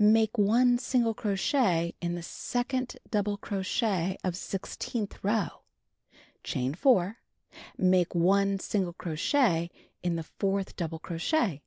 Make 1 single crochet in the second double crochet of sixteenth row. Chain 4. Make 1 single crochet in the fourth double crochet.